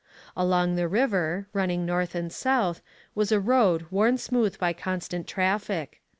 Along the river, running north and south, was a road worn smooth by constant traffic.